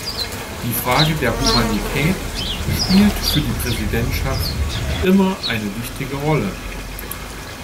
Die Frage der Humanität spielt für die Präsidentschaft immer eine wichtige Rolle.